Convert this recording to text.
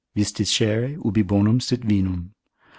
Vis discere ubi bonum sit vinum?